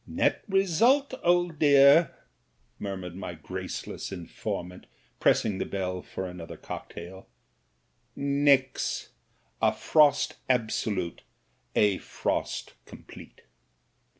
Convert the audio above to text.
"Net result, old dear," murmured my graceless in formant, pressing the bell for another cocktail, "nix — a frost absolute, a frost complete."